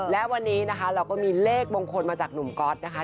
และวันนี้นะคะเราก็มีเลขมงคลมาจากหนุ่มก๊อตนะคะ